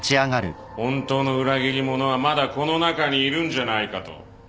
本当の裏切り者はまだこの中にいるんじゃないかと。